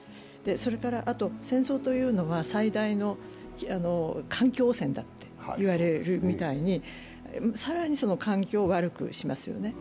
あと戦争というのは最大の環境汚染だと言われるみたいに更に環境を悪くしますよね。